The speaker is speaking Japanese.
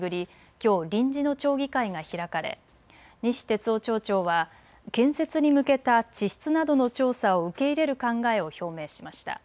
きょう臨時の町議会が開かれ西哲夫町長は建設に向けた地質などの調査を受け入れる考えを表明しました。